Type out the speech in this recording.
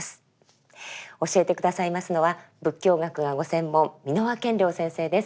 教えて下さいますのは仏教学がご専門蓑輪顕量先生です。